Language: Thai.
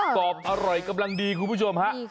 กรอบอร่อยกำลังดีคุณผู้ชมฮะ